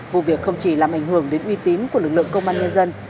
vụ việc không chỉ làm ảnh hưởng đến uy tín của lực lượng công an nhân dân